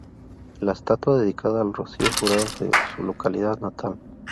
La estatua dedicada a Rocío Jurado en su localidad natal.